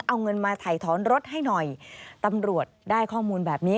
เอาเงินมาถ่ายถอนรถให้หน่อยตำรวจได้ข้อมูลแบบนี้